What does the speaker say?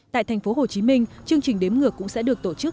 tại thành phố hồ chí minh chương trình đếm ngược cũng sẽ được tổ chức